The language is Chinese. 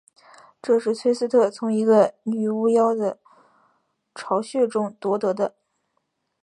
这是崔斯特从一个女巫妖的巢穴中夺得的。